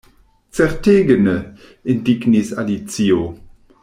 "Certege ne!" indignis Alicio.